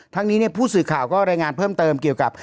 นี้ผู้สื่อข่าวก็รายงานเพิ่มเติมเกี่ยวกับ